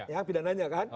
yang pidananya kan